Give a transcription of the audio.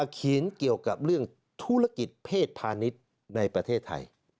เขียนเกี่ยวกับเรื่องธุรกิจเพศพาณิชย์ในประเทศไทย